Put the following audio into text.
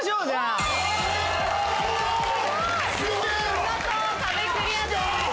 見事壁クリアです。